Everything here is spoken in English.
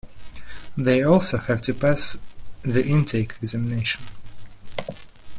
They also have to pass the intake examination.